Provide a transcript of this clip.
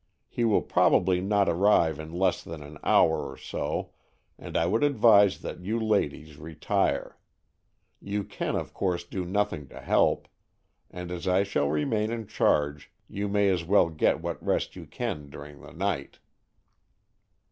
He will probably not arrive in less than an hour or so, and I would advise that you ladies retire. You can of course do nothing to help, and as I shall remain in charge, you may as well get what rest you can during the night."